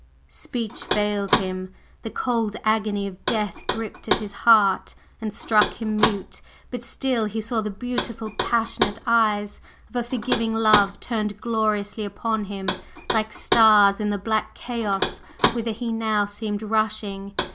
Speech failed him; the cold agony of death gripped at his heart and struck him mute, but still he saw the beautiful passionate eyes of a forgiving Love turned gloriously upon him like stars in the black chaos whither he now seemed rushing.